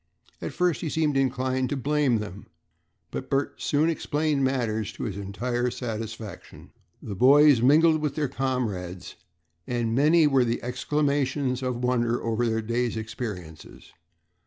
At first he seemed inclined to blame them, but Bert soon explained matters to his entire satisfaction. The boys mingled with their comrades, and many were the exclamations of wonder over their day's experiences.